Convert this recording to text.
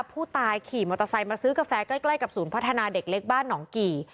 ผู้ตายขี่มอเตอร์ไซค์มาซื้อกาแฟใกล้กับศูนย์พัฒนาเด็กเล็กบ้านหนองกี่